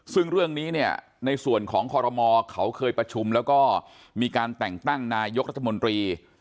ซึ่งเรื่องนี้เนี่ยในส่วนของคอรมอเขาเคยประชุมแล้วก็มีการแต่งตั้งนายกรัฐมนตรี